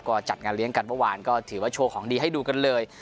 ก็จัดงานเลี้ยงกันเมื่อวานก็ถือว่าโชว์ของดีให้ดูกันเลย